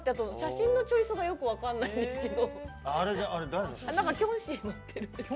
写真のチョイスがよく分からないですけど。